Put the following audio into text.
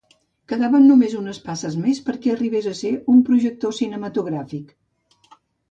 Quedaven només unes passes més perquè arribés a ser un projector cinematogràfic.